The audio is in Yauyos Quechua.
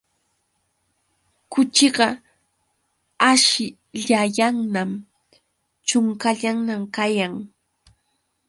Kuchiqa aśhllayanñam, ćhunkallañam kayan.